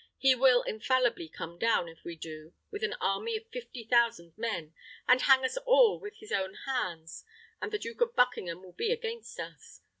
He will infallibly come down, if we do, with an army of fifty thousand men, and hang us all with his own hands, and the Duke of Buckingham will be against us.